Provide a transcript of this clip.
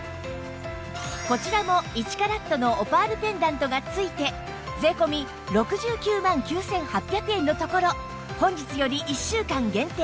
こちらも１カラットのオパールペンダントが付いて税込６９万９８００円のところ本日より１週間限定